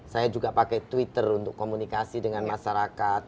saya juga pakai twitter untuk komunikasi dengan masyarakat